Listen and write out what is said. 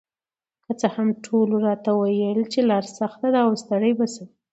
که څه هم ټولو راته ویل چې لار سخته ده او ستړې به شم،